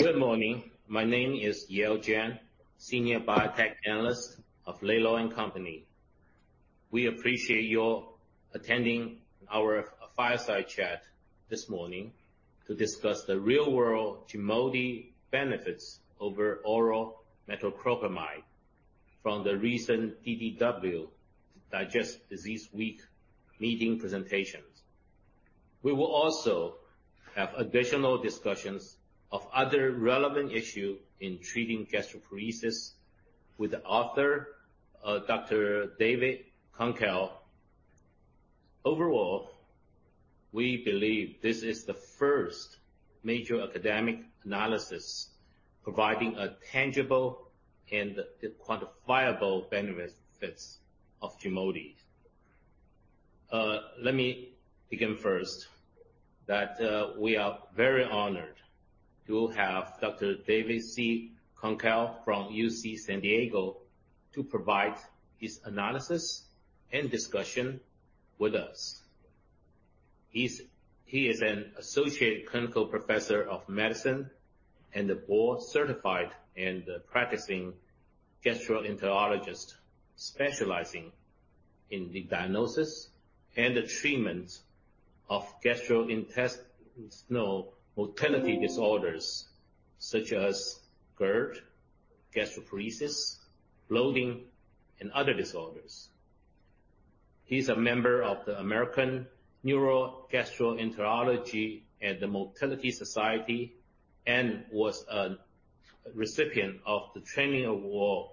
Good morning. My name is Yale Jen, Senior Biotech Analyst of Laidlaw & Company. We appreciate your attending our fireside chat this morning to discuss the real-world GIMOTI benefits over oral metoclopramide from the recent DDW, Digestive Disease Week meeting presentations. We will also have additional discussions of other relevant issue in treating gastroparesis with the author, Dr. David C. Kunkel. Overall, we believe this is the first major academic analysis providing a tangible and quantifiable benefits of GIMOTI. Let me begin first, that, we are very honored to have Dr. David C. Kunkel from UC San Diego, to provide his analysis and discussion with us. He is an Associate Clinical Professor of Medicine and a board-certified and practicing gastroenterologist, specializing in the diagnosis and treatment of gastrointestinal motility disorders such as GERD, gastroparesis, bloating, and other disorders. He's a member of the American Neurogastroenterology and Motility Society and was a recipient of the Training Award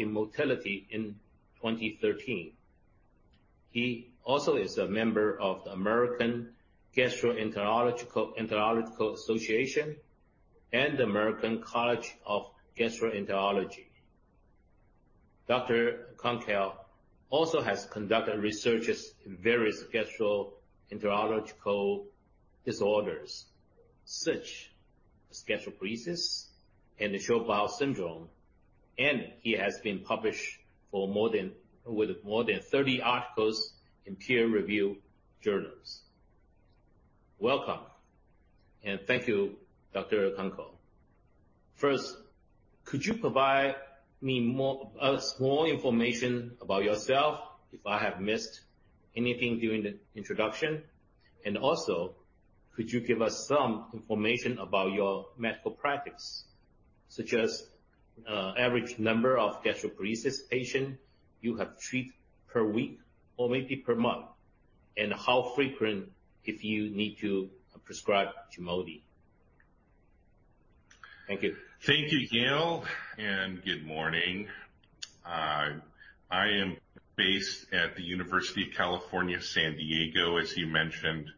in Motility in 2013. He also is a member of the American Gastroenterological Association and the American College of Gastroenterology. Dr. Kunkel also has conducted researches in various gastroenterological disorders such as gastroparesis and short bowel syndrome, and he has been published with more than 30 articles in peer-reviewed journals. Welcome. Thank you, Dr. Kunkel. First, could you provide us more information about yourself, if I have missed anything during the introduction? Could you give us some information about your medical practice, such as average number of gastroparesis patient you have treated per week or maybe per month, and how frequent, if you need to prescribe GIMOTI? Thank you. Thank you, Yale, and good morning. I am based at the University of California, San Diego as you mentioned.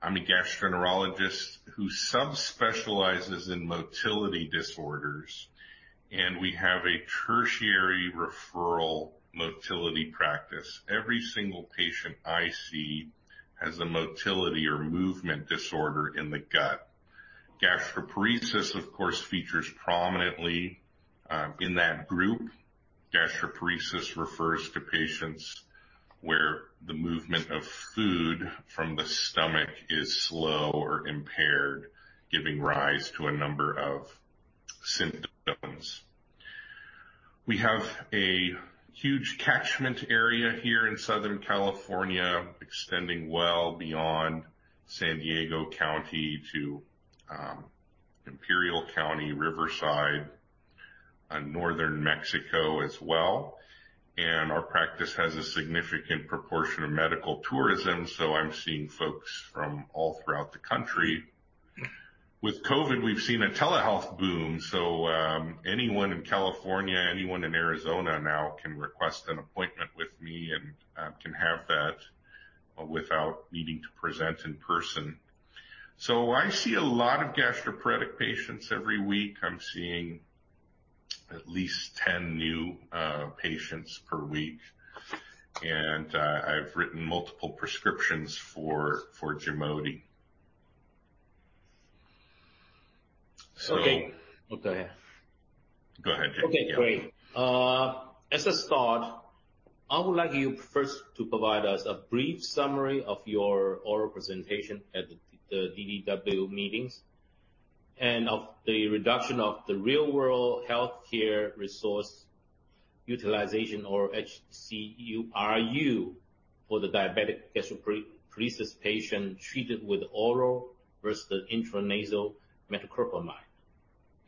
I'm a gastroenterologist who subspecializes in motility disorders, and we have a tertiary referral motility practice. Every single patient I see has a motility or movement disorder in the gut. Gastroparesis, of course, features prominently in that group. Gastroparesis refers to patients where the movement of food from the stomach is slow or impaired, giving rise to a number of symptoms. We have a huge catchment area here in Southern California, extending well beyond San Diego County to Imperial County, Riverside, and Northern Mexico as well, and our practice has a significant proportion of medical tourism, so I'm seeing folks from all throughout the country. With COVID, we've seen a telehealth boom, so anyone in California, anyone in Arizona now can request an appointment with me and can have that without needing to present in person. I see a lot of gastroparetic patients every week. I'm seeing at least 10 new patients per week, and I've written multiple prescriptions for GIMOTI. Okay. Go ahead. Go ahead, Yale. Okay, great. As a start, I would like you first to provide us a brief summary of your oral presentation at the DDW meetings and of the reduction of the real world Healthcare Resource Utilization or HCRU for the diabetic gastroparesis patient, treated with oral versus intranasal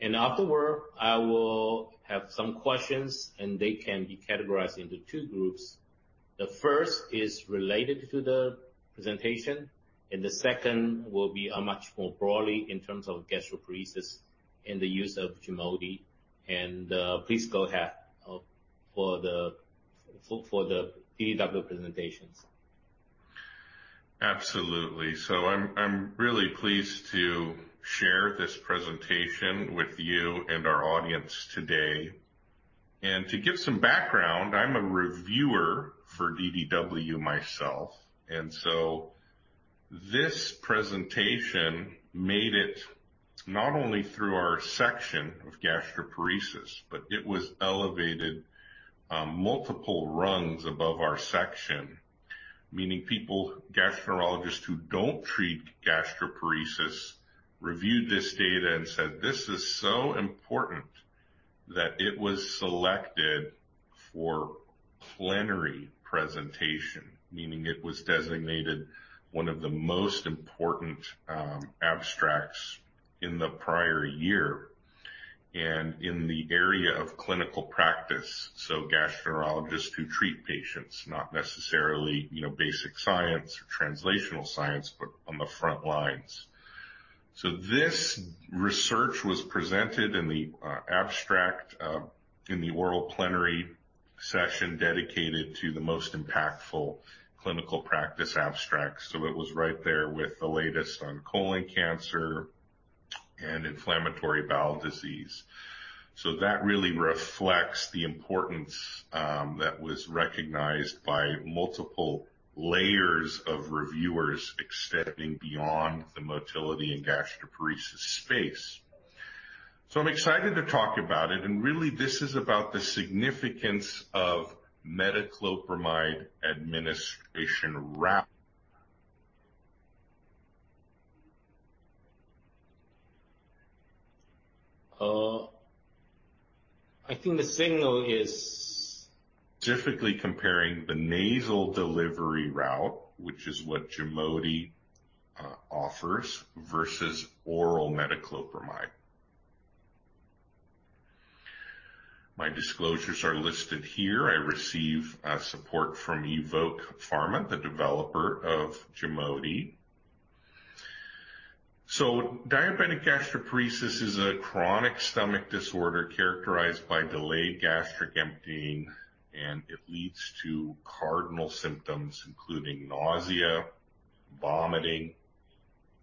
metoclopramide. Afterward, I will have some questions, and they can be categorized into two groups. The first is related to the presentation, and the second will be a much more broadly in terms of gastroparesis and the use of GIMOTI. Please go ahead for the DDW presentations. Absolutely. I'm really pleased to share this presentation with you and our audience today. To give some background, I'm a reviewer for DDW myself, and this presentation made it not only through our section of gastroparesis, but it was elevated multiple rungs above our section. Meaning people, gastroenterologists, who don't treat gastroparesis, reviewed this data and said, "This is so important," that it was selected for plenary presentation. Meaning it was designated one of the most important abstracts in the prior year and in the area of clinical practice. Gastroenterologists who treat patients, not necessarily, you know, basic science or translational science, but on the front lines. This research was presented in the abstract in the oral plenary session, dedicated to the most impactful clinical practice abstracts. It was right there with the latest on colon cancer and inflammatory bowel disease. That really reflects the importance that was recognized by multiple layers of reviewers, extending beyond the motility and gastroparesis space. I'm excited to talk about it, and really this is about the significance of metoclopramide administration route. I think the signal. Typically comparing the nasal delivery route, which is what GIMOTI offers, versus oral metoclopramide. My disclosures are listed here. I receive support from Evoke Pharma, the developer of GIMOTI. Diabetic gastroparesis is a chronic stomach disorder characterized by delayed gastric emptying, and it leads to cardinal symptoms, including nausea, vomiting,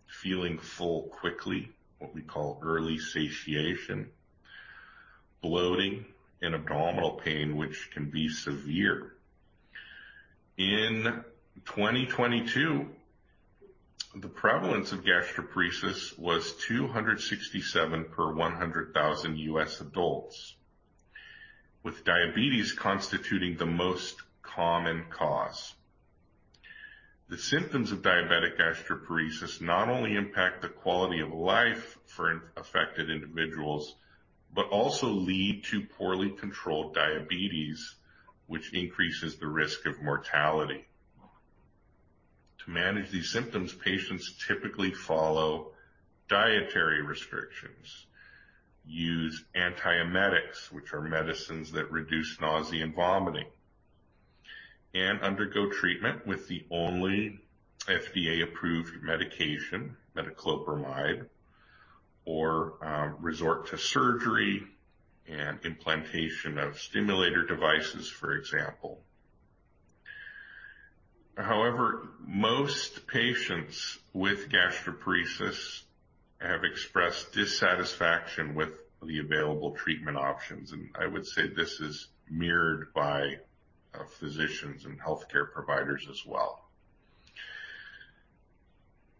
feeling full quickly, what we call early satiation, bloating, and abdominal pain, which can be severe. In 2022, the prevalence of gastroparesis was 267 per 100,000 U.S. adults, with diabetes constituting the most common cause. The symptoms of diabetic gastroparesis not only impact the quality of life for affected individuals, but also lead to poorly controlled diabetes, which increases the risk of mortality. To manage these symptoms, patients typically follow dietary restrictions, use antiemetics, which are medicines that reduce nausea and vomiting, and undergo treatment with the only FDA-approved medication, metoclopramide, or resort to surgery and implantation of stimulator devices, for example. Most patients with gastroparesis have expressed dissatisfaction with the available treatment options, and I would say this is mirrored by physicians and healthcare providers as well.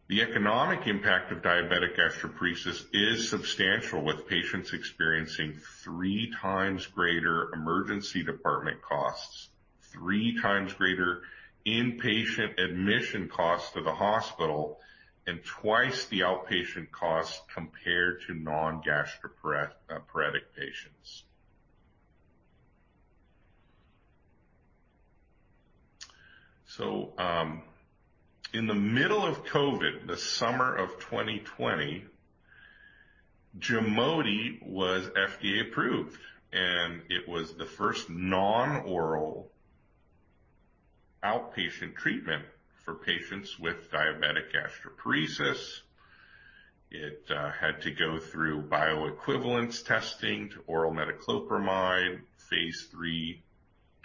The economic impact of diabetic gastroparesis is substantial, with patients experiencing three times greater emergency department costs, three times greater inpatient admission costs to the hospital, and twice the outpatient costs compared to non-gastroparetic patients. In the middle of COVID, the summer of 2020, GIMOTI was FDA approved, and it was the first non-oral outpatient treatment for patients with diabetic gastroparesis. It had to go through bioequivalence testing to oral metoclopramide, phase III,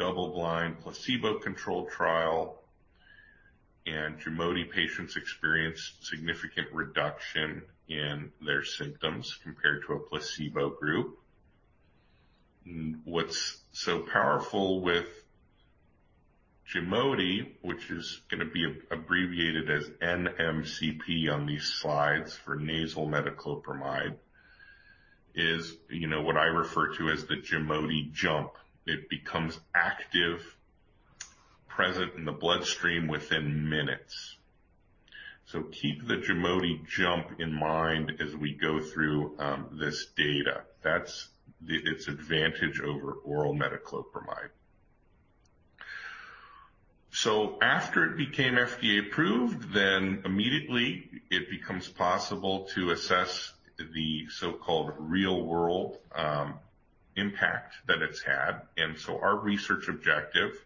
double-blind, placebo-controlled trial, and GIMOTI patients experienced significant reduction in their symptoms compared to a placebo group. What's so powerful with GIMOTI, which is gonna be abbreviated as NMCP on these slides, for nasal metoclopramide, is, you know, what I refer to as the GIMOTI jump. It becomes active, present in the bloodstream within minutes. Keep the GIMOTI jump in mind as we go through this data. That's its advantage over oral metoclopramide. After it became FDA approved, then immediately it becomes possible to assess the so-called real-world impact that it's had. Our research objective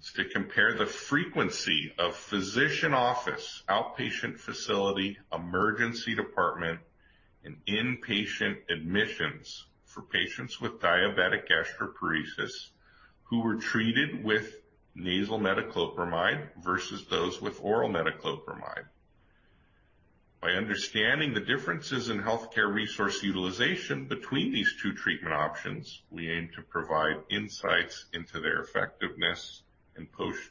is to compare the frequency of physician office, outpatient facility, emergency department, and inpatient admissions for patients with diabetic gastroparesis who were treated with nasal metoclopramide versus those with oral metoclopramide. By understanding the differences in Healthcare Resource Utilization between these two treatment options, we aim to provide insights into their effectiveness and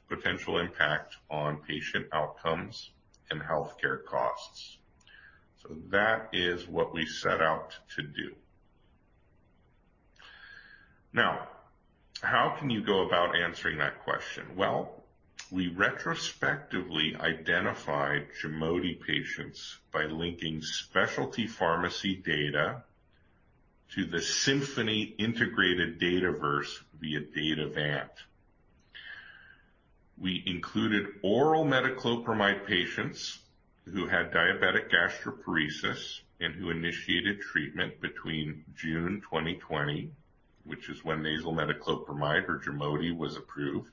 potential impact on patient outcomes and healthcare costs. That is what we set out to do. How can you go about answering that question? We retrospectively identified GIMOTI patients by linking specialty pharmacy data to the Symphony Health Integrated Dataverse via Datavant. We included oral metoclopramide patients who had diabetic gastroparesis and who initiated treatment between June 2020, which is when nasal metoclopramide or GIMOTI, was approved,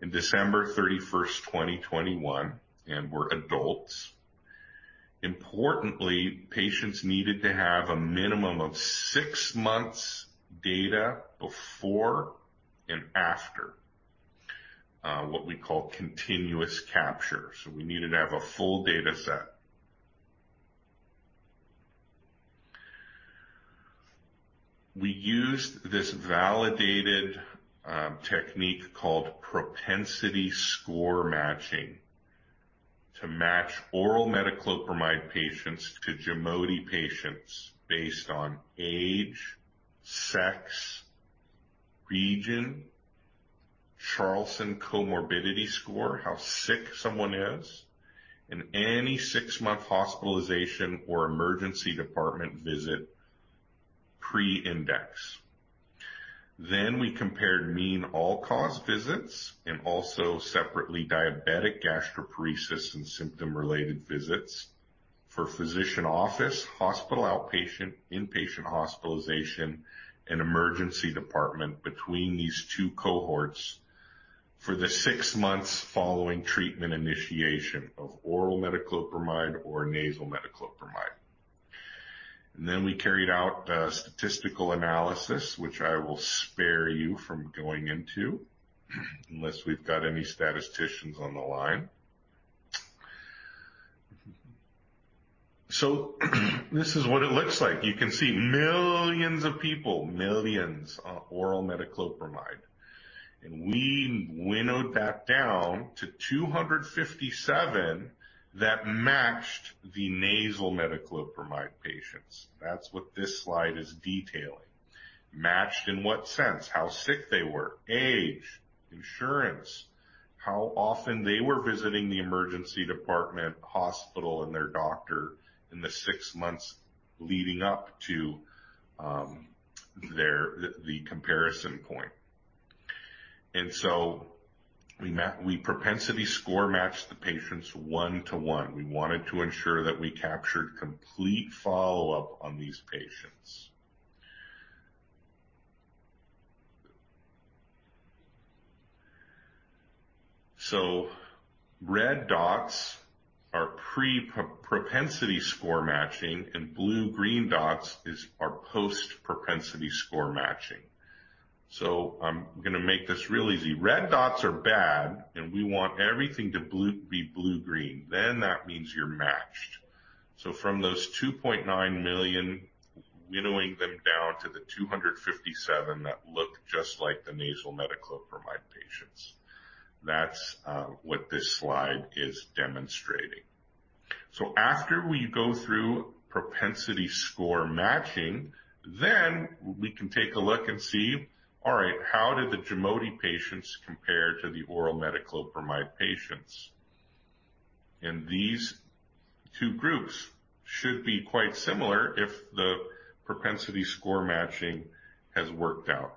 and December 31st, 2021, and were adults. Importantly, patients needed to have a minimum of six months data before and after what we call continuous capture. We needed to have a full data set. We used this validated technique called propensity score matching to match oral metoclopramide patients to GIMOTI patients based on age, sex, region, Charlson Comorbidity Score, how sick someone is, and any six month hospitalization or emergency department visit pre-index. We compared mean all-cause visits and also separately, diabetic gastroparesis and symptom-related visits for physician office, hospital outpatient, inpatient hospitalization, and emergency department between these two cohorts for the six months following treatment initiation of oral metoclopramide or nasal metoclopramide. We carried out a statistical analysis, which I will spare you from going into, unless we've got any statisticians on the line. This is what it looks like. You can see millions of people, millions on oral metoclopramide, and we winnowed that down to 257 that matched the nasal metoclopramide patients. That's what this slide is detailing. Matched in what sense? How sick they were, age, insurance, how often they were visiting the emergency department, hospital, and their doctor in the six months leading up to the comparison point. We propensity score matched the patients one to one. We wanted to ensure that we captured complete follow-up on these patients. Red dots are pre-propensity score matching, and blue-green dots is our post-propensity score matching. I'm gonna make this real easy. Red dots are bad, and we want everything to be blue-green. That means you're matched. From those $2.9 million, winnowing them down to the 257 that look just like the nasal metoclopramide patients. That's what this slide is demonstrating. After we go through propensity score matching, then we can take a look and see, all right, how did the GIMOTI patients compare to the oral metoclopramide patients? These two groups should be quite similar if the propensity score matching has worked out.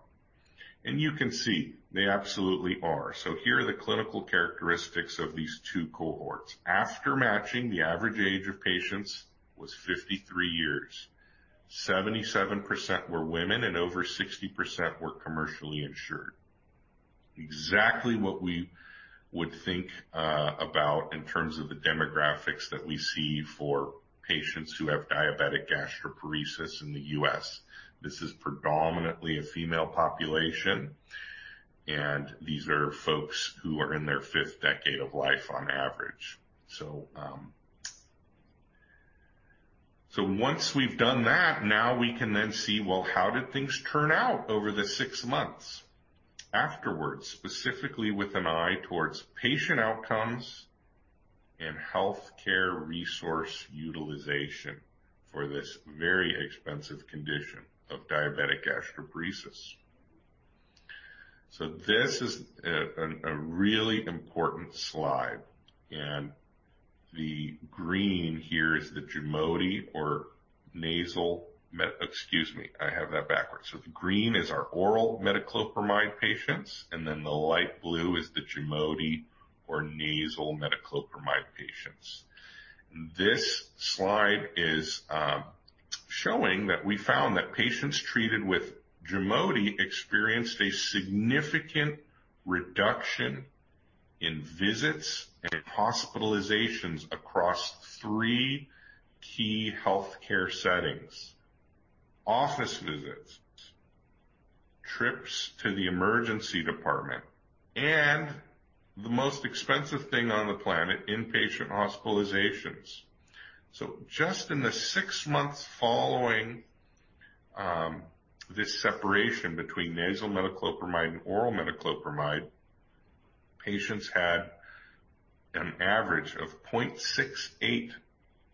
You can see they absolutely are. Here are the clinical characteristics of these two cohorts. After matching, the average age of patients was 53 years, 77% were women, and over 60% were commercially insured. Exactly what we would think about in terms of the demographics that we see for patients who have diabetic gastroparesis in the U.S. This is predominantly a female population, and these are folks who are in their fifth decade of life on average. So once we've done that, now we can then see, well, how did things turn out over the six months afterwards? Specifically with an eye towards patient outcomes and Healthcare Resource Utilization for this very expensive condition of diabetic gastroparesis. This is a really important slide, and the green here is the GIMOTI or nasal. Excuse me, I have that backwards. The green is our oral metoclopramide patients, and then the light blue is the GIMOTI or nasal metoclopramide patients. This slide is showing that we found that patients treated with GIMOTI experienced a significant reduction in visits and hospitalizations across three key healthcare settings: office visits, trips to the emergency department, and the most expensive thing on the planet, inpatient hospitalizations. Just in the six months following this separation between nasal metoclopramide and oral metoclopramide, patients had an average of 0.68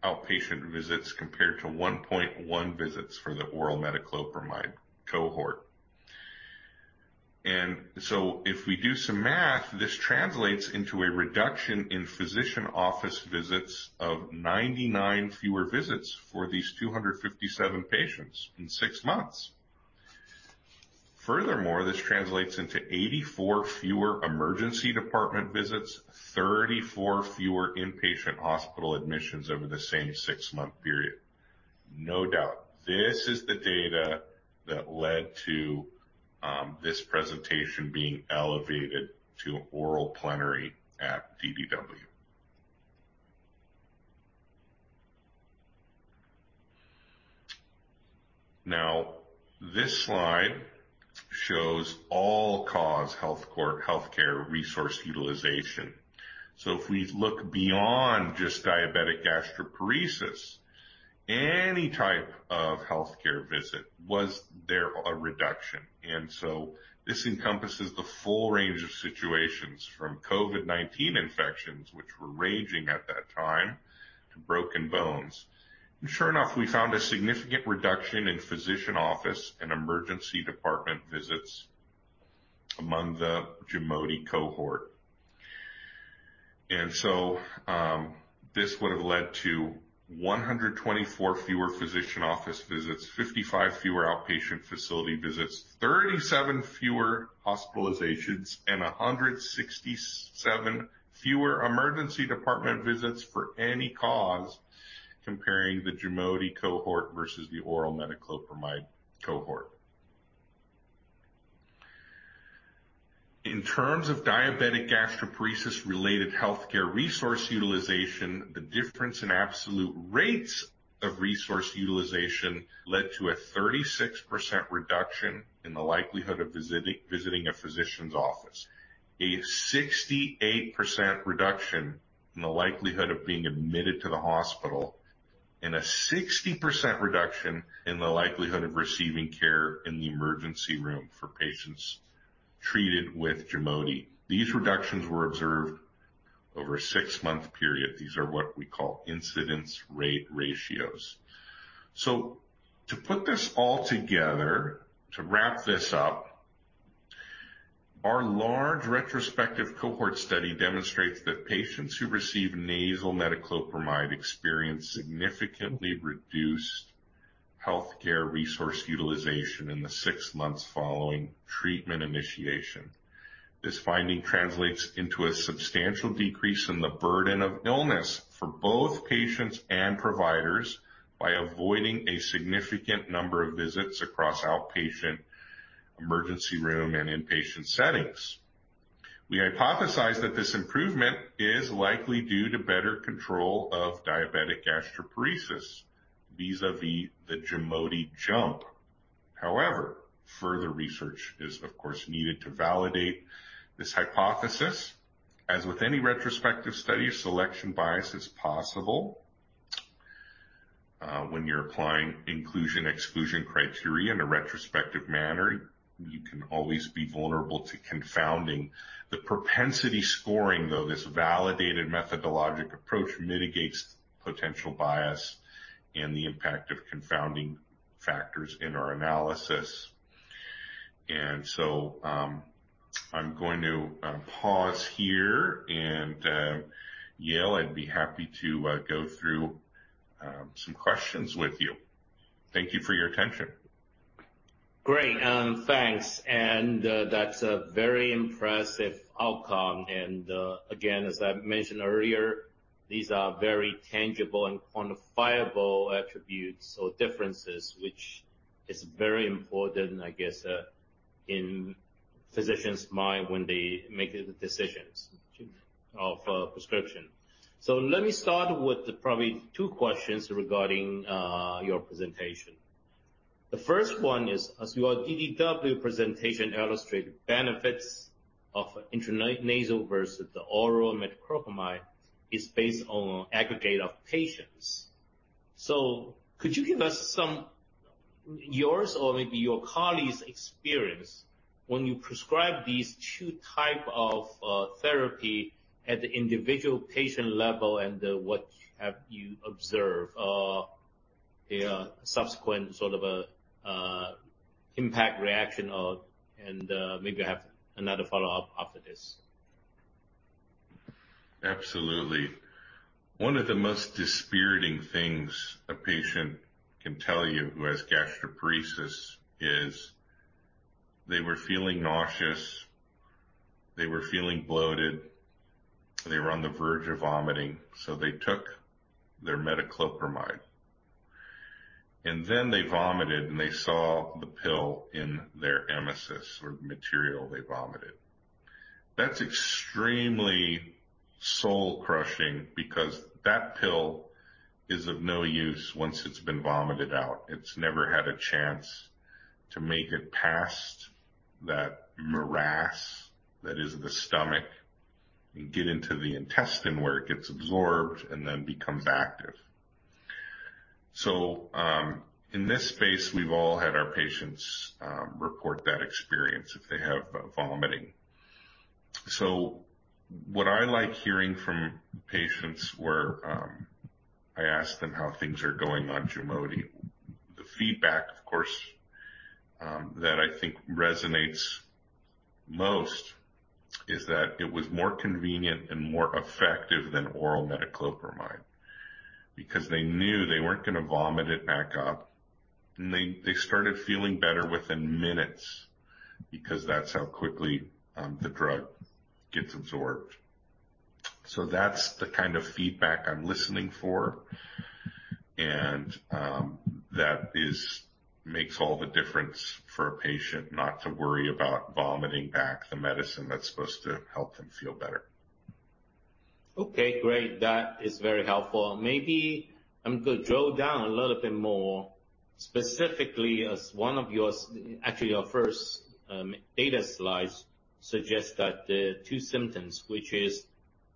outpatient visits, compared to 1.1 visits for the oral metoclopramide cohort. If we do some math, this translates into a reduction in physician office visits of 99 fewer visits for these 257 patients in six months. This translates into 84 fewer emergency department visits, 34 fewer inpatient hospital admissions over the same six month period. No doubt, this is the data that led to this presentation being elevated to oral plenary at DDW. This slide shows all-cause healthcare resource utilization. If we look beyond just diabetic gastroparesis, any type of healthcare visit, was there a reduction? This encompasses the full range of situations from COVID-19 infections, which were raging at that time, to broken bones. Sure enough, we found a significant reduction in physician office and emergency department visits among the GIMOTI cohort. This would have led to 124 fewer physician office visits, 55 fewer outpatient facility visits, 37 fewer hospitalizations, and 167 fewer emergency department visits for any cause, comparing the GIMOTI cohort versus the oral metoclopramide cohort. In terms of diabetic gastroparesis-related Healthcare Resource Utilization, the difference in absolute rates of resource utilization led to a 36% reduction in the likelihood of visiting a physician's office, a 68% reduction in the likelihood of being admitted to the hospital, and a 60% reduction in the likelihood of receiving care in the emergency room for patients treated with GIMOTI. These reductions were observed over a six month period. These are what we call incidence rate ratios. To put this all together, to wrap this up, our large retrospective cohort study demonstrates that patients who receive nasal metoclopramide experience significantly reduced Healthcare Resource Utilization in the six months following treatment initiation. This finding translates into a substantial decrease in the burden of illness for both patients and providers by avoiding a significant number of visits across outpatient, emergency room, and inpatient settings. We hypothesize that this improvement is likely due to better control of diabetic gastroparesis, via the GIMOTI jump. Further research is, of course, needed to validate this hypothesis. As with any retrospective study, selection bias is possible. When you're applying inclusion, exclusion criteria in a retrospective manner, you can always be vulnerable to confounding. The propensity scoring, though, this validated methodologic approach, mitigates potential bias and the impact of confounding factors in our analysis. I'm going to pause here and Yale, I'd be happy to go through some questions with you. Thank you for your attention. Great. Thanks. That's a very impressive outcome. Again, as I mentioned earlier, these are very tangible and quantifiable attributes or differences, which is very important, I guess, in physicians' mind when they make the decisions of prescription. Let me start with probably two questions regarding your presentation. The first one is, as your DDW presentation illustrated, benefits of intranasal versus the oral metoclopramide is based on aggregate of patients. Could you give us some yours or maybe your colleagues' experience when you prescribe these two type of therapy at the individual patient level, and what have you observed the subsequent sort of impact reaction of? Maybe I have another follow-up after this. Absolutely. One of the most dispiriting things a patient can tell you, who has gastroparesis, is they were feeling nauseous, they were feeling bloated, they were on the verge of vomiting, so they took their metoclopramide, and then they vomited, and they saw the pill in their emesis or material they vomited. That's extremely soul-crushing because that pill is of no use once it's been vomited out. It's never had a chance to make it past that morass that is the stomach and get into the intestine, where it gets absorbed and then becomes active. In this space, we've all had our patients report that experience if they have vomiting. What I like hearing from patients where I ask them how things are going on GIMOTI. The feedback, of course, that I think resonates most is that it was more convenient and more effective than oral metoclopramide because they knew they weren't gonna vomit it back up, and they started feeling better within minutes because that's how quickly the drug gets absorbed. That's the kind of feedback I'm listening for, and that makes all the difference for a patient not to worry about vomiting back the medicine that's supposed to help them feel better. Great. That is very helpful. Maybe I'm going to drill down a little bit more specifically, as actually your first data slides suggest that the two symptoms, which is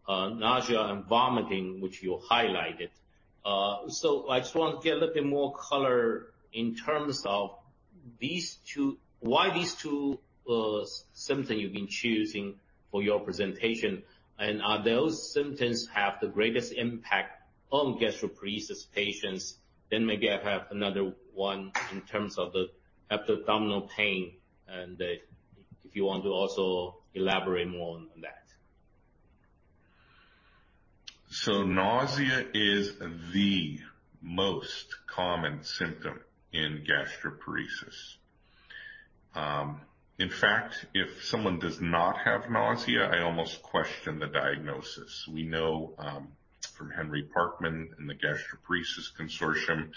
nausea and vomiting, which you highlighted. I just want to get a little bit more color in terms of these two. Why these two symptom you've been choosing for your presentation, and are those symptoms have the greatest impact on gastroparesis patients? Maybe I have another one in terms of the abdominal pain, and if you want to also elaborate more on that? Nausea is the most common symptom in gastroparesis. In fact, if someone does not have nausea, I almost question the diagnosis. We know from Henry Parkman and the Gastroparesis Consortium,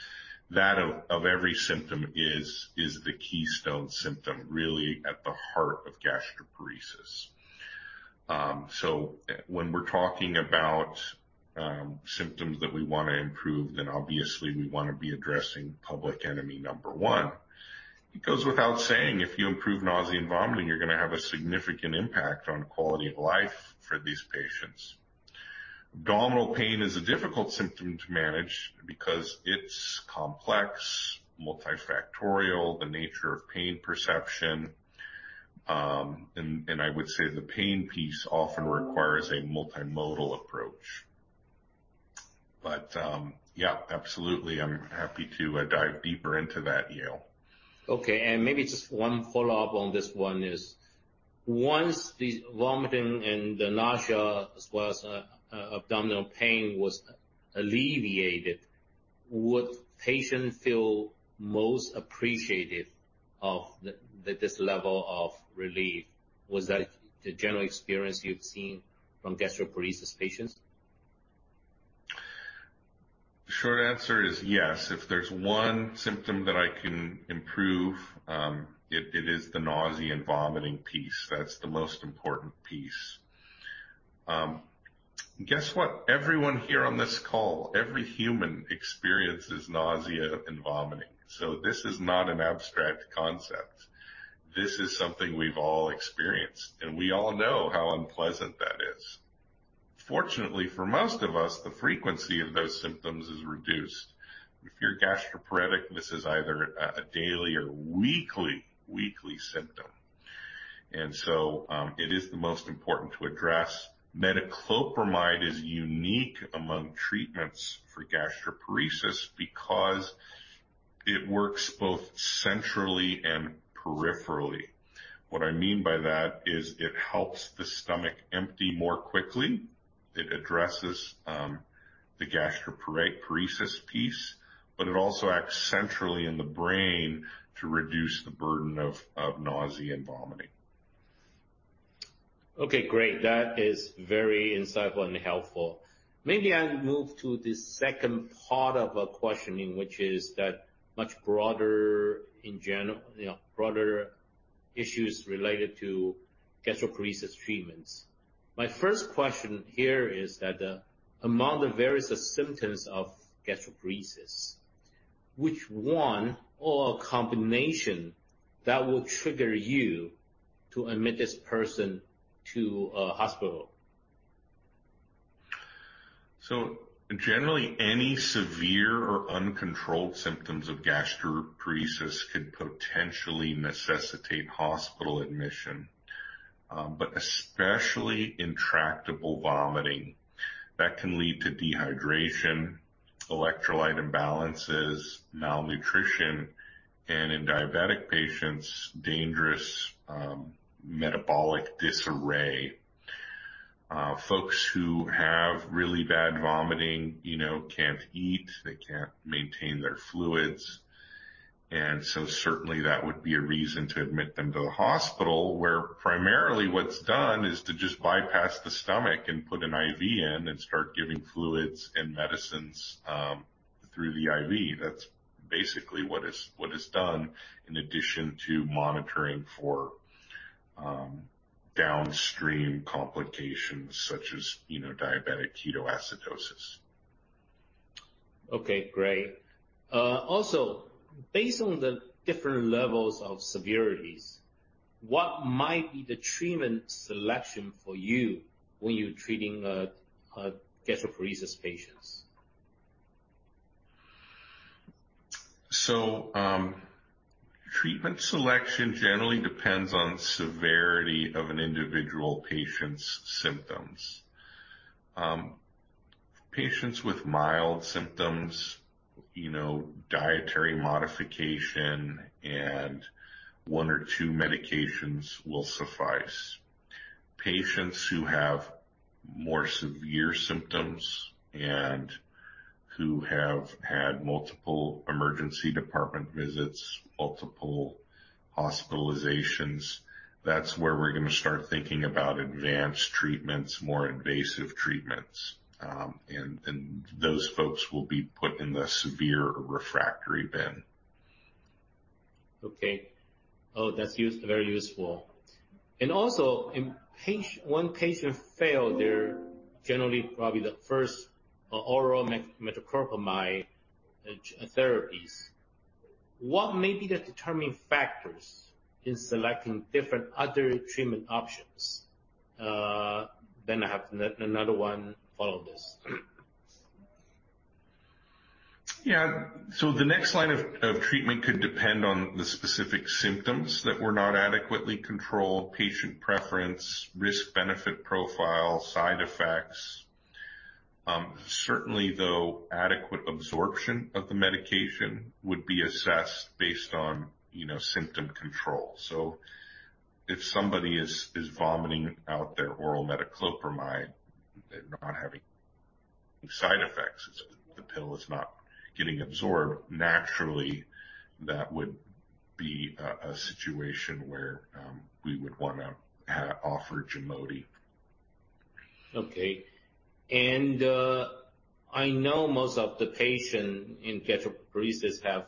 that every symptom is the keystone symptom, really at the heart of gastroparesis. When we're talking about symptoms that we want to improve, then obviously we want to be addressing public enemy number one. It goes without saying, if you improve nausea and vomiting, you're going to have a significant impact on quality of life for these patients. Abdominal pain is a difficult symptom to manage because it's complex, multifactorial, the nature of pain perception. And I would say the pain piece often requires a multimodal approach. Yeah, absolutely, I'm happy to dive deeper into that, Yale. Okay, maybe just one follow-up on this one is: Once the vomiting and the nausea, as well as, abdominal pain, was alleviated, would patients feel most appreciated of that this level of relief? Was that the general experience you've seen from gastroparesis patients? The short answer is yes. If there's one symptom that I can improve, it is the nausea and vomiting piece. That's the most important piece. Guess what? Everyone here on this call, every human experiences nausea and vomiting, so this is not an abstract concept. This is something we've all experienced, and we all know how unpleasant that is. Fortunately for most of us, the frequency of those symptoms is reduced. If you're gastroparetic, this is either a daily or weekly symptom, and so it is the most important to address. Metoclopramide is unique among treatments for gastroparesis because it works both centrally and peripherally. What I mean by that is it helps the stomach empty more quickly. It addresses the gastroparesis piece, but it also acts centrally in the brain to reduce the burden of nausea and vomiting. Okay, great. That is very insightful and helpful. Maybe I'll move to the second part of a questioning, which is that much broader in general, you know, broader issues related to gastroparesis treatments. My first question here is that, among the various symptoms of gastroparesis, which one or combination that will trigger you to admit this person to a hospital? Generally, any severe or uncontrolled symptoms of gastroparesis could potentially necessitate hospital admission, but especially intractable vomiting, that can lead to dehydration, electrolyte imbalances, malnutrition, and in diabetic patients, dangerous metabolic disarray. Folks who have really bad vomiting, you know, can't eat, they can't maintain their fluids. Certainly that would be a reason to admit them to the hospital, where primarily what's done is to just bypass the stomach and put an IV in and start giving fluids and medicines through the IV. That's basically what is done, in addition to monitoring for downstream complications such as, you know, diabetic ketoacidosis. Okay, great. Also, based on the different levels of severities, what might be the treatment selection for you when you're treating gastroparesis patients? Treatment selection generally depends on severity of an individual patient's symptoms. Patients with mild symptoms, you know, dietary modification and one or two medications will suffice. Patients who have more severe symptoms and who have had multiple emergency department visits, multiple hospitalizations, that's where we're going to start thinking about advanced treatments, more invasive treatments. And those folks will be put in the severe refractory bin. Okay. Oh, that's very useful. Also, in patient, when patient fail, they're generally probably the first oral metoclopramide therapies. What may be the determining factors in selecting different other treatment options? I have another one follow this. The next line of treatment could depend on the specific symptoms that were not adequately controlled, patient preference, risk-benefit profile, side effects. Certainly, though, adequate absorption of the medication would be assessed based on, you know, symptom control. If somebody is vomiting out their oral metoclopramide, they're not having side effects, the pill is not getting absorbed, naturally, that would be a situation where we would wanna offer GIMOTI. Okay. I know most of the patient in gastroparesis have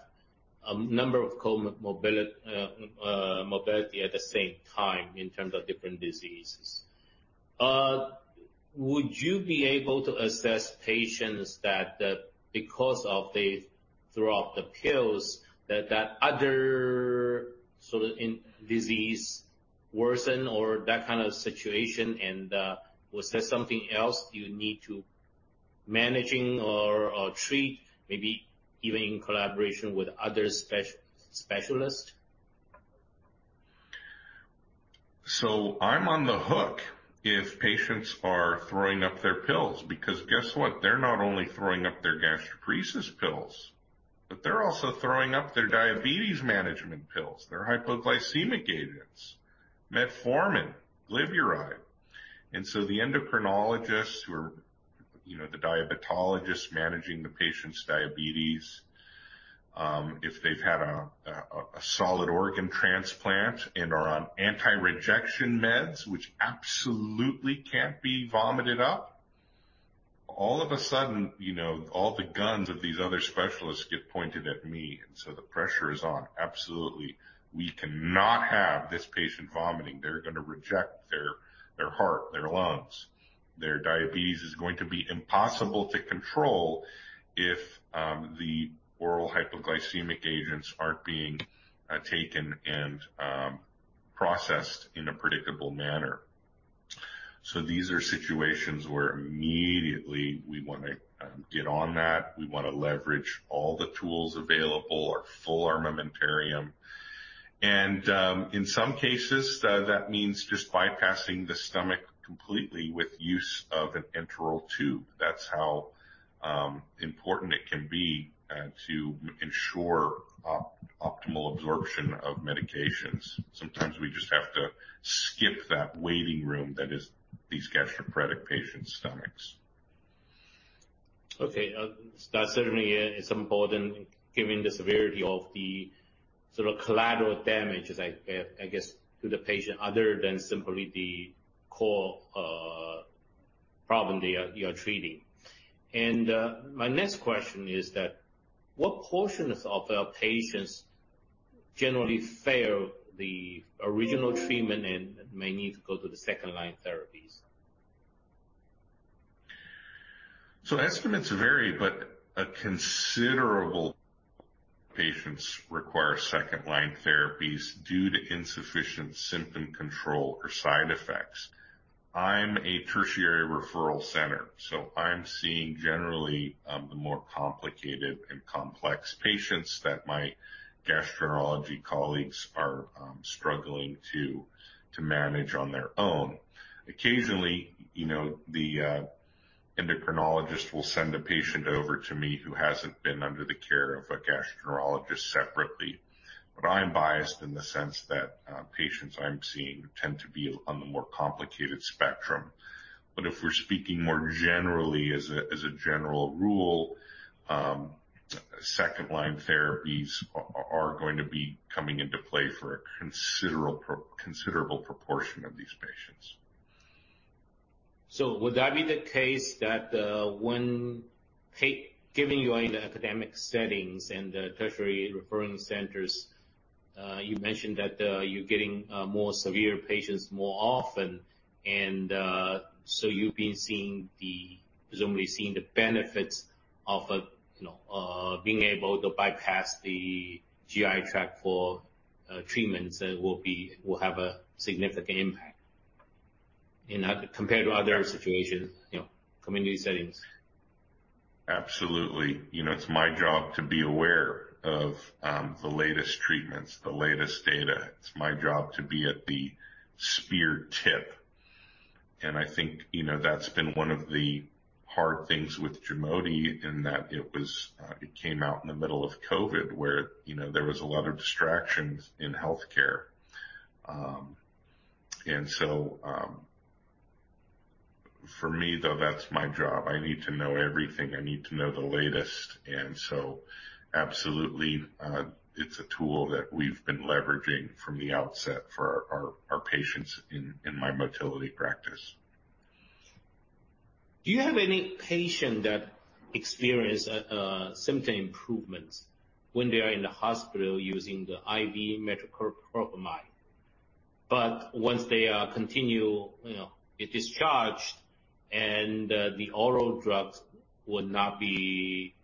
a number of morbidity at the same time in terms of different diseases. Would you be able to assess patients that because of they throw up the pills, that other sort of disease worsen or that kind of situation? Was there something else you need to managing or treat, maybe even in collaboration with other specialists? I'm on the hook if patients are throwing up their pills, because guess what? They're not only throwing up their gastroparesis pills, but they're also throwing up their diabetes management pills, their hypoglycemic agents, metformin, glyburide. The endocrinologists who are, you know, the diabetologists managing the patient's diabetes, if they've had a solid organ transplant and are on anti-rejection meds, which absolutely can't be vomited up, all of a sudden, you know, all the guns of these other specialists get pointed at me, the pressure is on. Absolutely, we cannot have this patient vomiting. They're going to reject their heart, their lungs. Their diabetes is going to be impossible to control if the oral hypoglycemic agents aren't being taken and processed in a predictable manner. These are situations where immediately we want to get on that. We want to leverage all the tools available, our full armamentarium. In some cases, that means just bypassing the stomach completely with use of an enteral tube. That's how important it can be to ensure optimal absorption of medications. Sometimes we just have to skip that waiting room that is these gastroparetic patients' stomachs. That certainly is important, given the severity of the sort of collateral damage, as I guess, to the patient, other than simply the core problem that you are treating. My next question is that what portions of our patients generally fail the original treatment, and may need to go to the second-line therapies? Estimates vary, but a considerable patients require second-line therapies due to insufficient symptom control or side effects. I'm a tertiary referral center, so I'm seeing generally, the more complicated and complex patients that my gastroenterology colleagues are struggling to manage on their own. Occasionally, you know, the endocrinologist will send a patient over to me who hasn't been under the care of a gastroenterologist separately. I'm biased in the sense that patients I'm seeing tend to be on the more complicated spectrum. If we're speaking more generally as a, as a general rule, second-line therapies are going to be coming into play for a considerable proportion of these patients. Would that be the case that, when giving you in the academic settings and the tertiary referring centers, you mentioned that, you're getting more severe patients more often, you've been presumably seeing the benefits of, you know, being able to bypass the GI tract for, treatments that will be, will have a significant impact? you know, compared to other situations, you know, community settings? Absolutely. You know, it's my job to be aware of the latest treatments, the latest data. It's my job to be at the spear tip. I think, you know, that's been one of the hard things with GIMOTI in that it was, it came out in the middle of COVID, where, you know, there was a lot of distractions in healthcare. For me, though, that's my job. I need to know everything. I need to know the latest, absolutely, it's a tool that we've been leveraging from the outset for our patients in my motility practice. Do you have any patient that experience a symptom improvements when they are in the hospital using the IV metoclopramide, once they are continue, you know, is discharged and the oral drugs would not be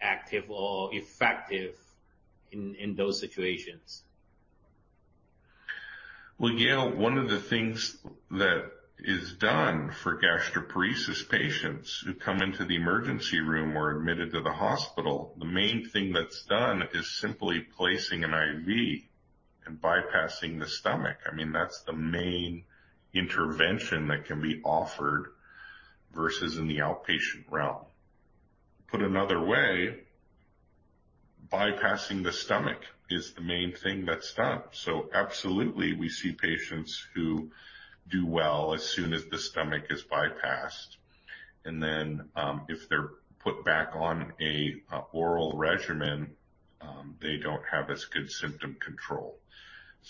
active or effective in those situations? Well, yeah. One of the things that is done for gastroparesis patients who come into the emergency room or admitted to the hospital, the main thing that's done is simply placing an IV and bypassing the stomach. I mean, that's the main intervention that can be offered versus in the outpatient realm. Put another way, bypassing the stomach is the main thing that's done. Absolutely, we see patients who do well as soon as the stomach is bypassed, and then if they're put back on a oral regimen, they don't have as good symptom control.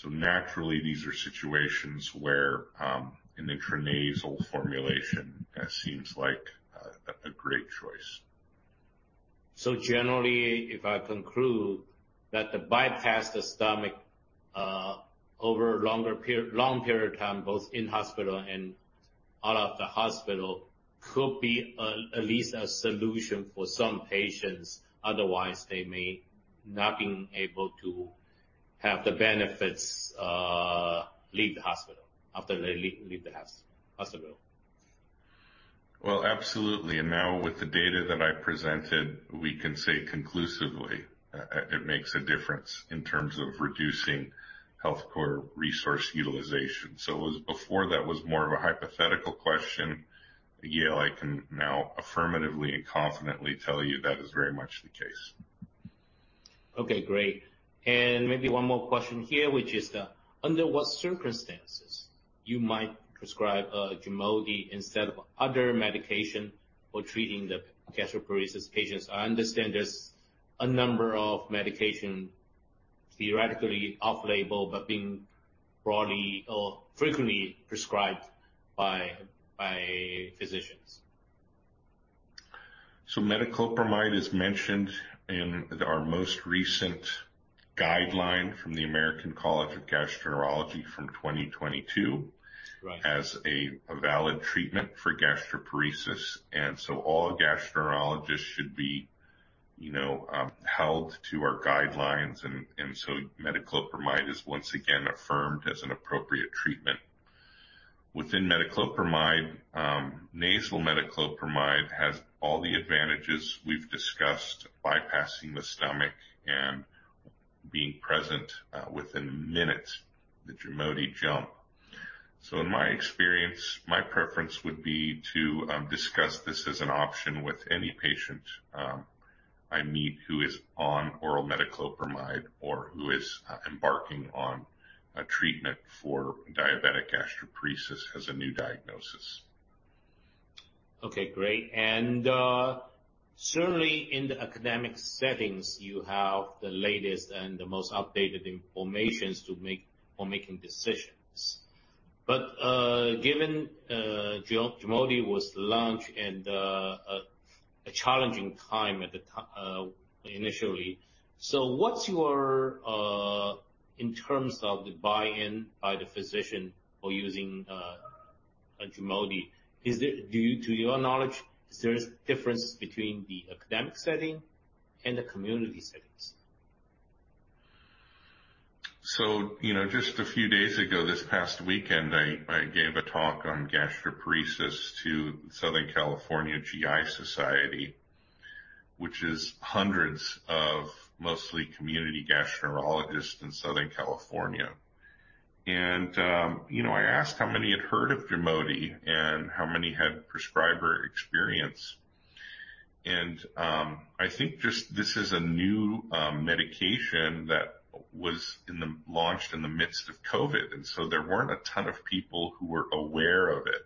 Naturally, these are situations where an intranasal formulation seems like a great choice. Generally, if I conclude that to bypass the stomach, over a longer period of time, both in hospital and out of the hospital, could be a, at least a solution for some patients, otherwise they may not been able to have the benefits, leave the hospital after they leave the hospital. Well, absolutely. Now with the data that I presented, we can say conclusively, it makes a difference in terms of reducing Healthcare Resource Utilization. Before, that was more of a hypothetical question. Yeah, I can now affirmatively and confidently tell you that is very much the case. Okay, great. Maybe one more question here, which is, under what circumstances you might prescribe GIMOTI instead of other medication for treating the gastroparesis patients? I understand there's a number of medication theoretically off-label, but being broadly or frequently prescribed by physicians. Metoclopramide is mentioned in our most recent guideline from the American College of Gastroenterology from 2022. Right. As a valid treatment for gastroparesis. All gastroenterologists should be, you know, held to our guidelines. Metoclopramide is once again affirmed as an appropriate treatment. Within metoclopramide, nasal metoclopramide has all the advantages we've discussed, bypassing the stomach and being present within minutes, the GIMOTI jump. In my experience, my preference would be to discuss this as an option with any patient I meet who is on oral metoclopramide or who is embarking on a treatment for diabetic gastroparesis as a new diagnosis. Okay, great. Certainly in the academic settings, you have the latest and the most updated information's to make, for making decisions. Given GIMOTI was launched in a challenging time initially, so what's your in terms of the buy-in by the physician for using a GIMOTI, is it to your knowledge, is there a difference between the academic setting and the community settings? You know, just a few days ago, this past weekend, I gave a talk on gastroparesis to Southern California GI Society, which is hundreds of mostly community gastroenterologists in Southern California. You know, I asked how many had heard of GIMOTI and how many had prescriber experience. I think just this is a new medication that was Launched in the midst of COVID, and so there weren't a ton of people who were aware of it.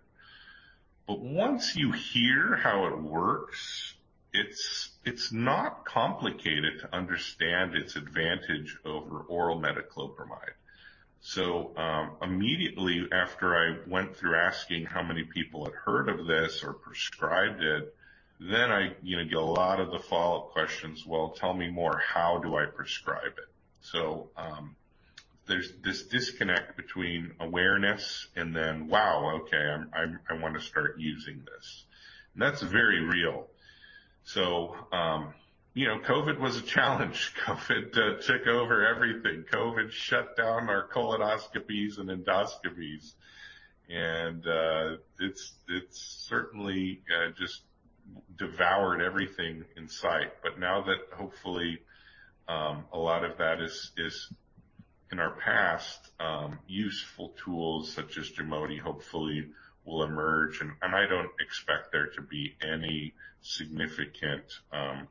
Once you hear how it works, it's not complicated to understand its advantage over oral metoclopramide. Immediately after I went through asking how many people had heard of this or prescribed it, then I, you know, get a lot of the follow-up questions, "Well, tell me more. How do I prescribe it?" There's this disconnect between awareness and then, "Wow, okay, I want to start using this." That's very real. You know, COVID was a challenge. COVID took over everything. COVID shut down our colonoscopies and endoscopies, and it's certainly devoured everything in sight. Now that hopefully a lot of that is in our past, useful tools such as GIMOTI hopefully will emerge. I don't expect there to be any significant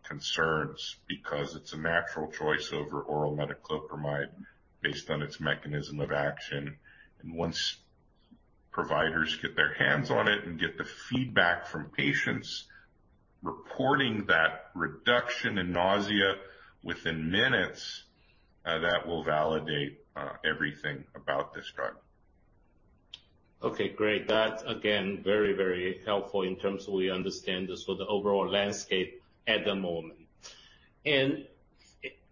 concerns because it's a natural choice over oral metoclopramide based on its mechanism of action. Once providers get their hands on it and get the feedback from patients reporting that reduction in nausea within minutes, that will validate everything about this drug. Okay, great. That's again, very, very helpful in terms of we understand this for the overall landscape at the moment.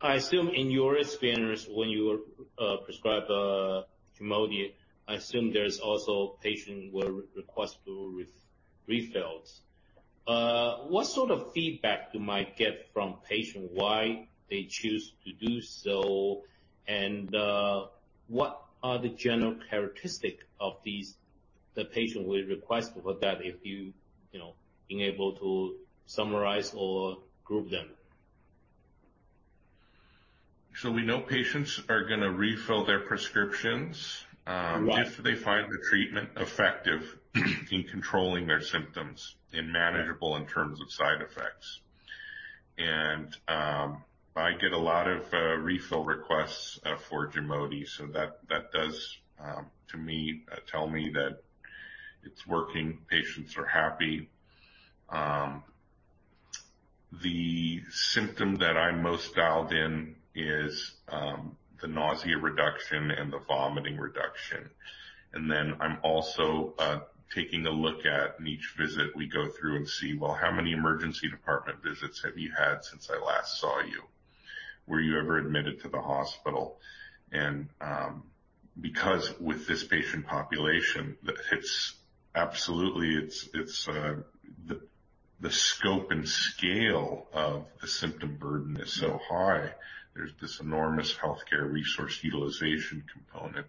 I assume in your experience, when you prescribe GIMOTI, I assume there's also patient will request to refills. What sort of feedback you might get from patient, why they choose to do so? What are the general characteristics of the patient will request for that if you know, being able to summarize or group them? We know patients are gonna refill their prescriptions. Right. If they find the treatment effective in controlling their symptoms and manageable in terms of side effects. I get a lot of refill requests for GIMOTI, so that does to me tell me that it's working. Patients are happy. The symptom that I'm most dialed in is the nausea reduction and the vomiting reduction. I'm also taking a look at in each visit we go through and see, Well, how many emergency department visits have you had since I last saw you? Were you ever admitted to the hospital? Because with this patient population, it's the scope and scale of the symptom burden is so high. There's this enormous healthcare resource utilization component.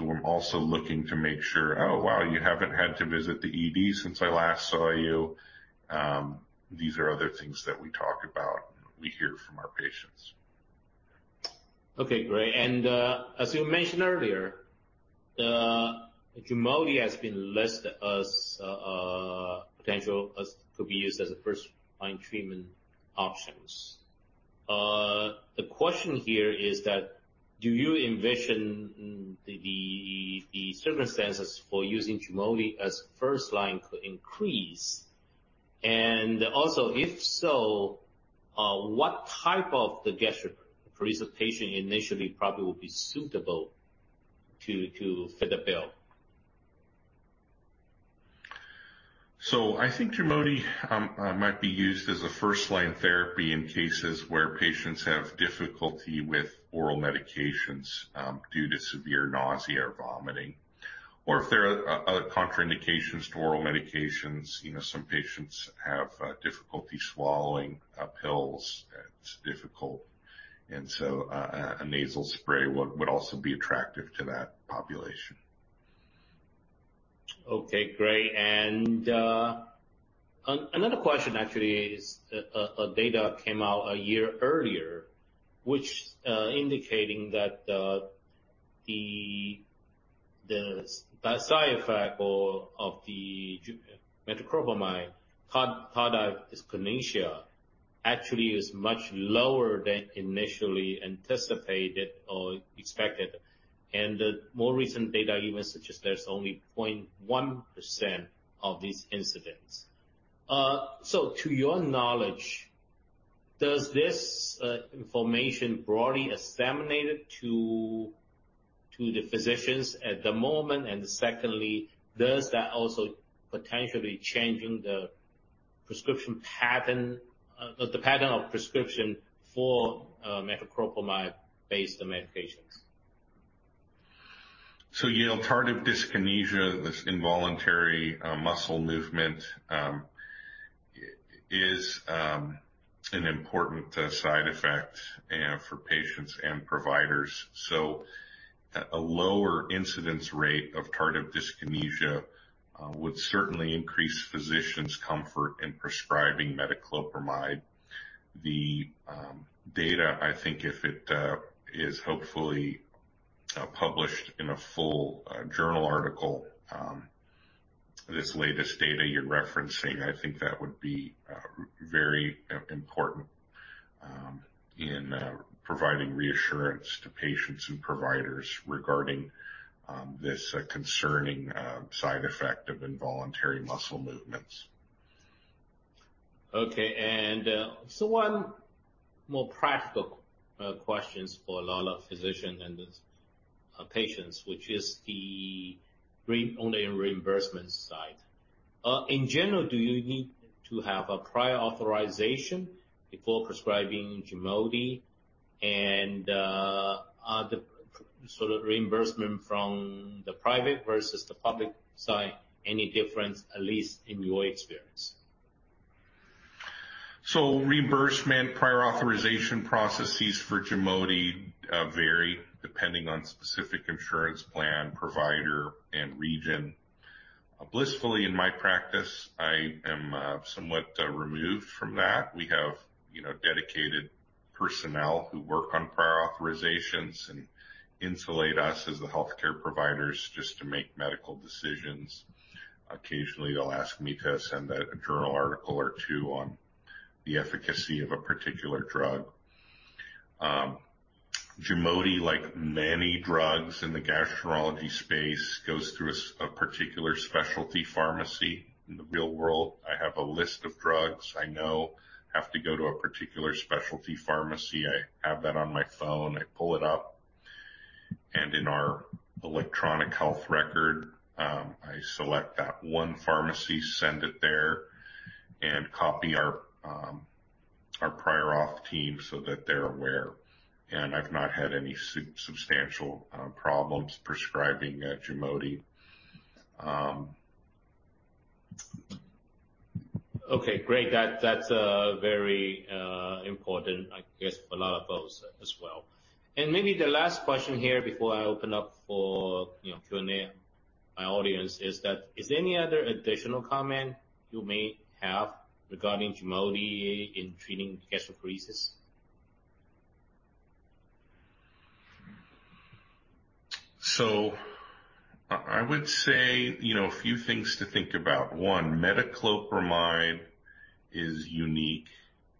I'm also looking to make sure, "Oh, wow, you haven't had to visit the ED since I last saw you." These are other things that we talk about, and we hear from our patients. Okay, great. As you mentioned earlier, GIMOTI has been listed as potential as to be used as a first-line treatment options. The question here is that do you envision the circumstances for using GIMOTI as first-line could increase? If so, what type of the gastric presentation initially probably will be suitable to fit the bill? I think GIMOTI might be used as a first-line therapy in cases where patients have difficulty with oral medications due to severe nausea or vomiting, or if there are other contraindications to oral medications. You know, some patients have difficulty swallowing pills. It's difficult, and so a nasal spray would also be attractive to that population. Okay, great. Another question actually is data came out a year earlier, which indicating that the side effect or of metoclopramide, tardive dyskinesia, actually is much lower than initially anticipated or expected. The more recent data even suggests there's only 0.1% of these incidents. To your knowledge, does this information broadly disseminated to the physicians at the moment? Secondly, does that also potentially changing the prescription pattern, the pattern of prescription for metoclopramide-based medications? You know, tardive dyskinesia, this involuntary muscle movement, is an important side effect for patients and providers. A lower incidence rate of tardive dyskinesia would certainly increase physicians' comfort in prescribing metoclopramide. The data, I think, if it is hopefully published in a full journal article, this latest data you're referencing, I think that would be very important in providing reassurance to patients and providers regarding this concerning side effect of involuntary muscle movements. Okay. One more practical, questions for a lot of physicians and patients, which is on the reimbursement side. In general, do you need to have a prior authorization before prescribing GIMOTI? Are the sort of reimbursement from the private versus the public side, any difference, at least in your experience? Reimbursement, prior authorization processes for GIMOTI vary depending on specific insurance plan, provider, and region. Blissfully, in my practice, I am somewhat removed from that. We have, you know, dedicated personnel who work on prior authorizations and insulate us as the healthcare providers just to make medical decisions. Occasionally, they'll ask me to send a journal article or two on the efficacy of a particular drug. GIMOTI, like many drugs in the gastroenterology space, goes through a particular specialty pharmacy. In the real world, I have a list of drugs I know have to go to a particular specialty pharmacy. I have that on my phone. I pull it up. In our electronic health record, I select that one pharmacy, send it there, copy our prior auth team so that they're aware. I've not had any substantial problems prescribing GIMOTI. Okay, great. That's very important, I guess, for a lot of folks as well. Maybe the last question here before I open up for, you know, Q&A, my audience, is that, is there any other additional comment you may have regarding GIMOTI in treating gastroparesis? I would say, you know, a few things to think about. One, metoclopramide is unique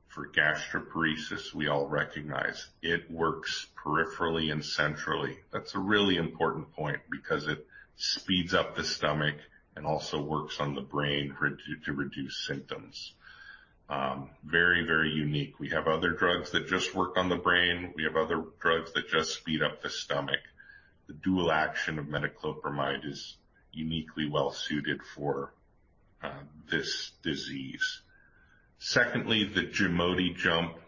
for gastroparesis. We all recognize it works peripherally and centrally. That's a really important point because it speeds up the stomach and also works on the brain to reduce symptoms. Very unique. We have other drugs that just work on the brain. We have other drugs that just speed up the stomach. The dual action of metoclopramide is uniquely well suited for this disease. Secondly, the GIMOTI jump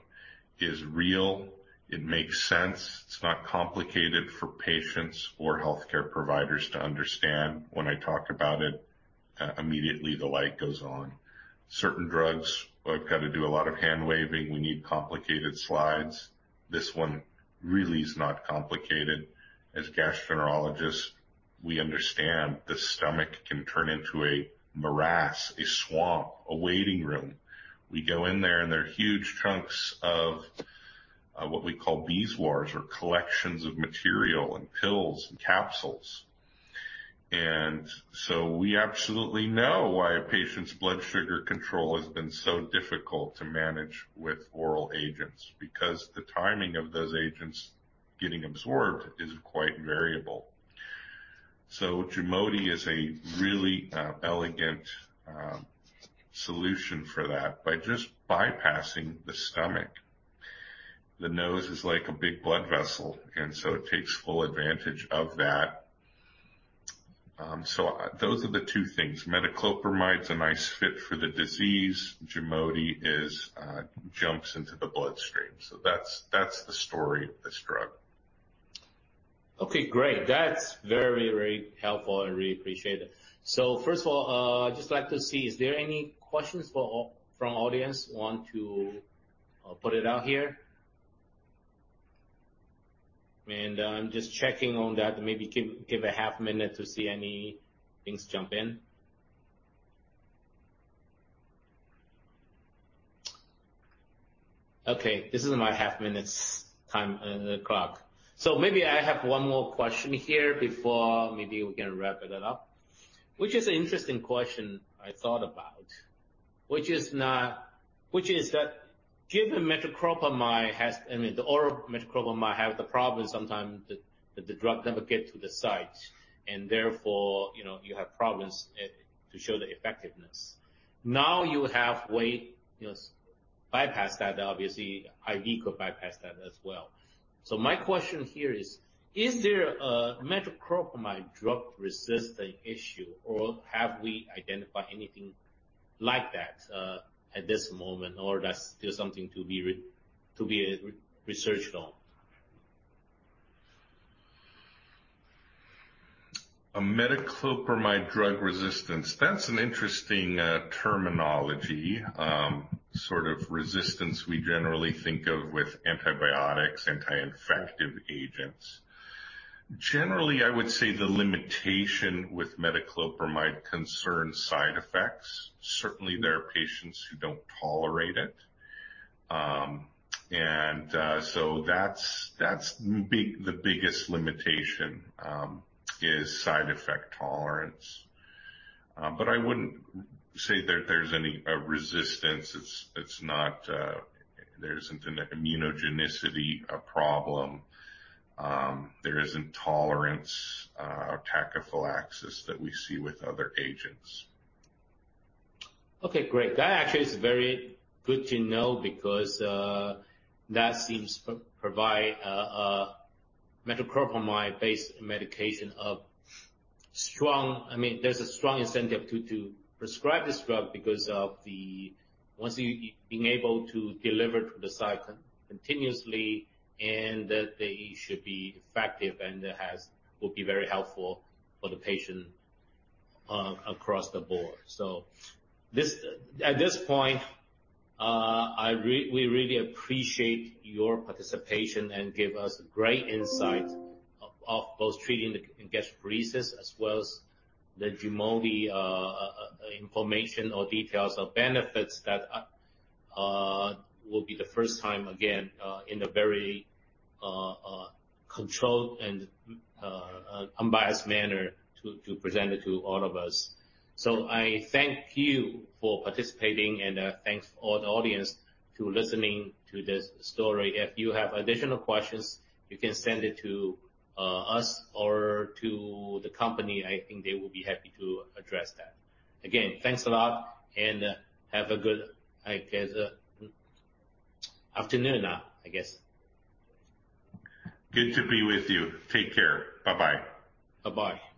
is real. It makes sense. It's not complicated for patients or healthcare providers to understand. When I talk about it, immediately the light goes on. Certain drugs, I've got to do a lot of hand-waving, we need complicated slides. This one really is not complicated. As gastroenterologists, we understand the stomach can turn into a morass, a swamp, a waiting room. We go in there are huge chunks of what we call bezoars or collections of material and pills and capsules. We absolutely know why a patient's blood sugar control has been so difficult to manage with oral agents, because the timing of those agents getting absorbed is quite variable. GIMOTI is a really elegant solution for that by just bypassing the stomach. The nose is like a big blood vessel, it takes full advantage of that. Those are the two things. Metoclopramide's a nice fit for the disease. GIMOTI is jumps into the bloodstream. That's the story of this drug. Okay, great. That's very, very helpful, and I really appreciate it. First of all, I'd just like to see, is there any questions from audience want to put it out here? I'm just checking on that, maybe give a half minute to see any things jump in. Okay, this is my half minute's time clock. Maybe I have one more question here before maybe we can wrap it up, which is an interesting question I thought about, which is that, I mean, the oral metoclopramide have the problem sometimes that the drug never get to the site, and therefore, you know, you have problems to show the effectiveness. Now, you have way, you know, bypass that. Obviously, IV could bypass that as well. My question here is: Is there a metoclopramide drug resistance issue, or have we identified anything like that, at this moment, or that's still something to be researched on? A metoclopramide drug resistance. That's an interesting terminology. Sort of resistance we generally think of with antibiotics, anti-infective agents. Generally, I would say the limitation with metoclopramide concerns side effects. Certainly, there are patients who don't tolerate it. That's big, the biggest limitation, is side effect tolerance. I wouldn't say that there's any resistance. It's not, there isn't an immunogenicity problem, there isn't tolerance, or tachyphylaxis that we see with other agents. Okay, great. That actually is very good to know because that seems to provide a metoclopramide-based medication. I mean, there's a strong incentive to prescribe this drug because once you've been able to deliver to the site continuously and that they should be effective and that will be very helpful for the patient across the board. This, at this point, we really appreciate your participation and give us great insight of both treating the gastroparesis as well as the GIMOTI information or details or benefits that will be the first time again in a very controlled and unbiased manner to present it to all of us. I thank you for participating, and thanks for all the audience to listening to this story. If you have additional questions, you can send it to us or to the company. I think they will be happy to address that. Again, thanks a lot and have a good, I guess, afternoon, I guess. Good to be with you. Take care. Bye-bye. Bye-bye.